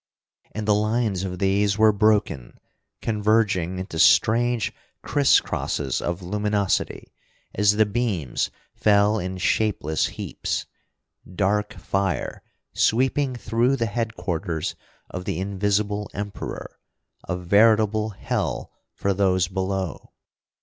And the lines of these were broken, converging into strange criss crosses of luminosity, as the beams fell in shapeless heaps. Dark fire, sweeping through the headquarters of the Invisible Emperor, a veritable hell for those below!